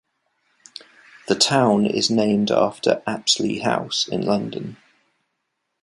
The town is named after Apsley House in London.